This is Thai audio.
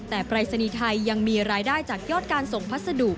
แต่ปรายศนีย์ไทยยังมีรายได้จากยอดการส่งพัสดุ